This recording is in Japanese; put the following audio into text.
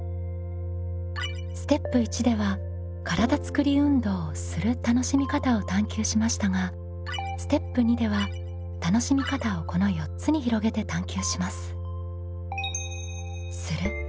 ステップ１では体つくり運動をする楽しみ方を探究しましたがステップ２では楽しみ方をこの４つに広げて探究します。